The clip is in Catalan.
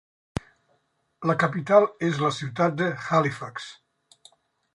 La capital és la ciutat de Halifax.